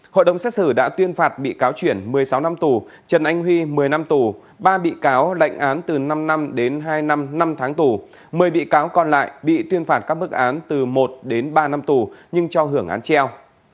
hội đồng xét xử đã tuyên phạt bị cáo chuyển một mươi sáu năm tù trần anh huy một mươi năm tù ba bị cáo lệnh án từ năm năm đến hai năm năm tháng tù một mươi bị cáo còn lại bị tuyên phạt các bức án từ một đến ba năm tù nhưng cho hưởng án treo